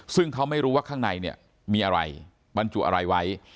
ซึ่งเขาไม่รู้ว่าข้างในเนี่ยมีอะไรบรรจุอะไรไว้